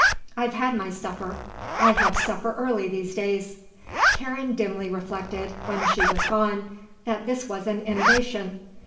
"I've had my supper. I have supper early these days." Karen dimly reflected, when she was gone, that this was an innovation.